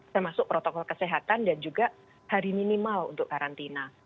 termasuk protokol kesehatan dan juga hari minimal untuk karantina